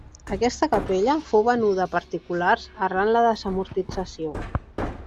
Aquesta capella fou venuda a particulars arran la desamortització.